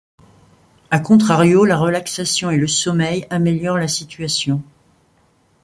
À contrario, la relaxation et le sommeil améliorent la situation.